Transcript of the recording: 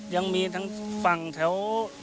ยังมีทั้งฝั่งแถว